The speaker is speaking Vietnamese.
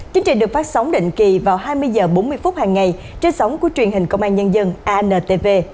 chương trình được phát sóng định kỳ vào hai mươi h bốn mươi phút hàng ngày trên sóng của truyền hình công an nhân dân antv